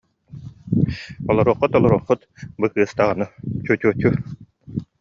Олоруоххут, олоруоххут, бу кыыс даҕаны, тьфу, тьфу, тьфу